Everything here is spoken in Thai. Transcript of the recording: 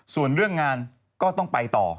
ส่วนเรื่องงานก็ต้องไปต่อ